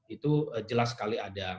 itu jelas sekali ada